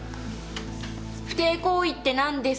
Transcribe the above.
不貞行為って何ですか？